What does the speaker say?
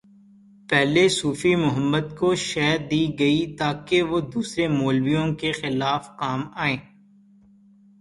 پہلے صوفی محمد کو شہ دی گئی تاکہ وہ دوسرے مولویوں کے خلاف کام آئیں۔